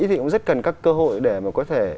thì cũng rất cần các cơ hội để mà có thể